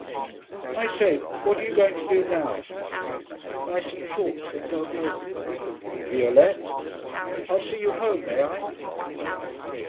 I say, what are you going to do now?' 'Buy some chalks. Then go home.' 'Violette? I'll see you home, may I?'